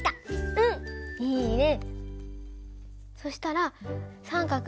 うんいいね！